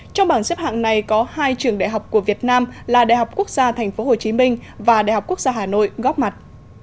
trong bảng xếp hạng này có hai trường đại học của việt nam là đại học quốc gia tp hcm và đại học quốc gia hà nội góp mặt